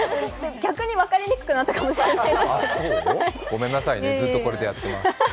逆に分かりにくくなったかもしれないあ、そう、ごめんなさいね、ずっとこれでやっています。